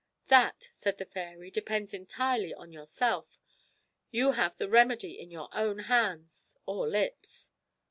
'That,' said the fairy, 'depends entirely on yourself. You have the remedy in your own hands or lips.'